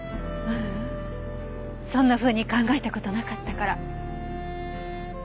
ううんそんなふうに考えた事なかったから。